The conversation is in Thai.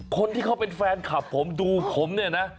คนที่เขาเป็นแฟนคลับผมดูผมเนี่ยนะ